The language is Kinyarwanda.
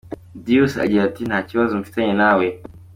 Dious agira ati "Nta kibazo mfitaniye nawe".